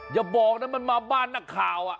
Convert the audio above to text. อย่าบอกนะมันมาบ้านนักข่าว